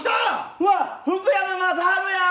うわ、福山雅治や。